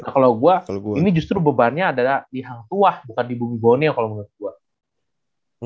kalau gue ini justru bebannya ada di hang tuah bukan di bumi boneo kalau menurut gue